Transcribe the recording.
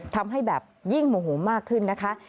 ทำให้แบบยิ่งโมโหมากขึ้นนะคะ